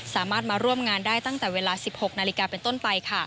สามารถมาร่วมงานได้ตั้งแต่เวลา๑๖นาฬิกาเป็นต้นไป